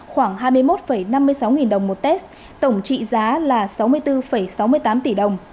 khoảng hai mươi một năm mươi sáu nghìn đồng một test tổng trị giá là sáu mươi bốn sáu mươi tám tỷ đồng